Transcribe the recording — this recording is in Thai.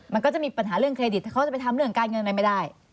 มันก็จะมีปัญหาเรื่องเครดิตถ้าเขาจะไปทำเรื่องการเงินอะไรไม่ได้